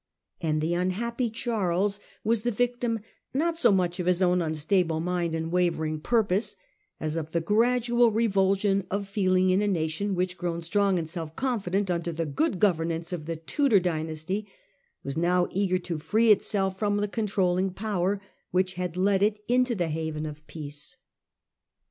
And the unhappy Charles was the victim, not so much of his own unstable mind and wavering pur pose, as of the gradual revulsion of feeling in a nation which, grown strong and self confident under the good governance of the Tudor dynasty, was now eager to free itself from the controlling power which had led it into the haven of peace.